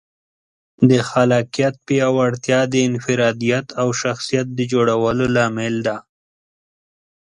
د خلاقیت پیاوړتیا د انفرادیت او شخصیت د جوړولو لامل ده.